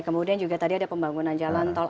kemudian juga tadi ada pembangunan jalan tol